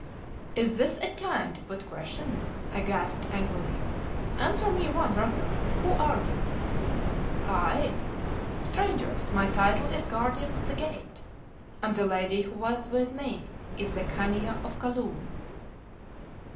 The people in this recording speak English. "Is this a time to put questions?" I gasped angrily. "Answer me one rather: who are you?" "I? Strangers, my title is Guardian of the Gate, and the lady who was with me is the Khania of Kaloon."